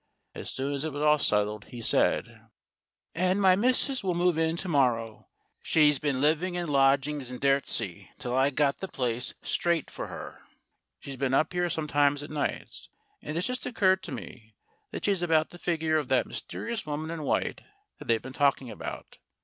As soon as it was all settled, he said : "And my missus will move in to morrow. She's been living in lodgings in Dyrtisea till I got the place straight for her. She's been up here sometimes at nights; and it's just occurred to me that she's about the figure of that mysterious woman in white that they've been talking about.